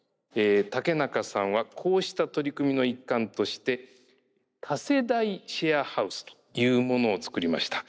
竹中さんはこうした取り組みの一環として多世代シェアハウスというものを作りました。